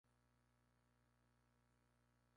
Los techos están cayendo en los corredores.